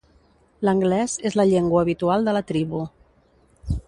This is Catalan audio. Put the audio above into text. L'anglès és la llengua habitual de la tribu.